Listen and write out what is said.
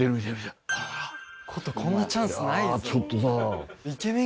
琴こんなチャンスない。